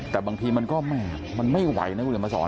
แต่บางทีมันก็ไม่ไหวนะคุณเรียนมาสอน